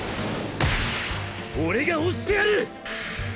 オレが押してやる！！